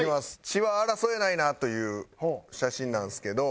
血は争えないなという写真なんですけど。